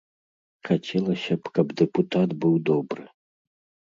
Хацелася б, каб дэпутат быў добры.